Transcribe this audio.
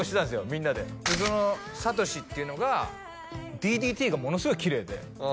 みんなでその智っていうのがＤＤＴがものすごいきれいでああ